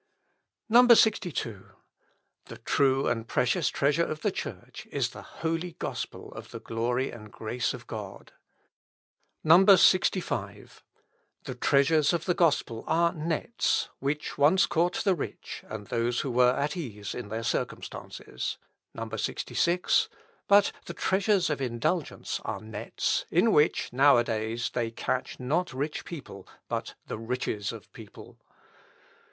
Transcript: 62. "The true and precious treasure of the Church is the holy gospel of the glory and grace of God. 65. "The treasures of the gospel are nets, which once caught the rich, and those who were at ease in their circumstances: 66. "But the treasures of indulgence are nets, in which, now a days, they catch, not rich people, but the riches of people.